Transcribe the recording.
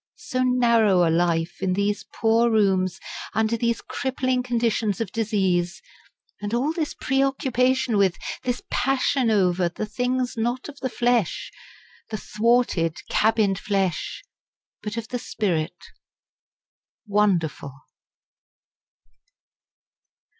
So narrow a life, in these poor rooms, under these crippling conditions of disease! and all this preoccupation with, this passion over, the things not of the flesh, the thwarted, cabined flesh, but of the spirit wonderful!